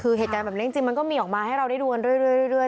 คือเหตุการณ์แบบนี้จริงมันก็มีออกมาให้เราได้ดูกันเรื่อย